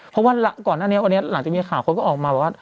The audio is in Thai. เพราะว่าก่อนหน้านี้วันนี้หลังจากมีข่าวคนก็ออกมาบอกว่า